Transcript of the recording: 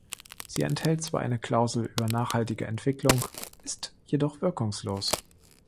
Sie enthält zwar eine Klausel über nachhaltige Entwicklung, ist jedoch wirkungslos.